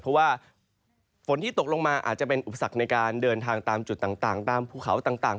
เพราะว่าฝนที่ตกลงมาอาจจะเป็นอุปสรรคในการเดินทางตามจุดต่างตามภูเขาต่าง